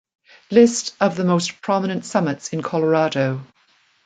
List of the most prominent summits of Colorado